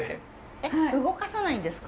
えっ動かさないんですか？